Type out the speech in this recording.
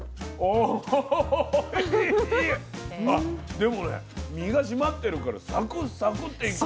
でもね身が締まってるからサクッサクッていく。